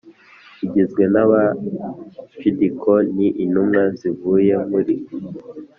Igizwe n abacidikoni intumwa zivuye muri